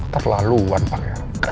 terlaluan pak ya